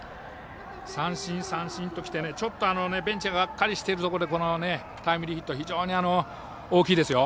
三振、三振ときてベンチががっかりしているところでタイムリーヒット非常に大きいですよ。